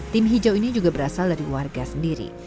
tim hijau ini juga berasal dari warga sendiri